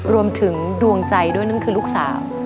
รวมถึงดวงใจด้วยนั่นคือลูกสาว